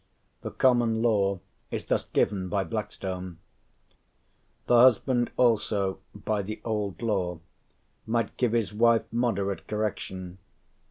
The common law is thus given by Blackstone: "The husband also (by the old law) might give his wife moderate correction.